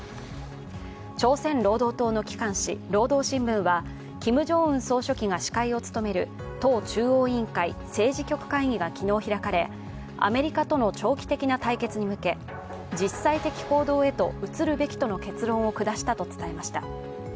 朝鮮労働党の機関紙「労働新聞」は、キム・ジョンウン総書記が司会を務める党中央委員会政治局会議が昨日開かれ、アメリカとの長期的な対決に向け、実際的行動へ移るべきとの結論を下したと伝えました。